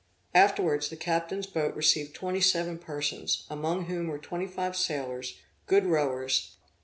Afterwards the captain's boat received twenty seven persons, among whom were twenty five sailors, good rowers.